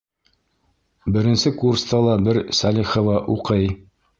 Беренсе курста ла бер Сәлихова уҡый.